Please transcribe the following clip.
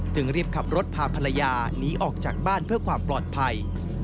รีบขับรถพาภรรยาหนีออกจากบ้านเพื่อความปลอดภัย